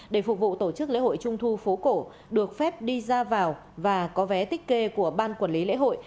để phục vụ tổ chức lễ hội trung thu phố cổ được phép đi ra vào và có vé tích kê của ban quản lý lễ hội